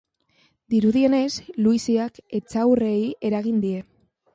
Dirudienez, luiziak etxaurreei eragin die.